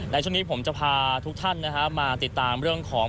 ในช่วงนี้ผมจะพาทุกท่านมาติดตามเรื่องของ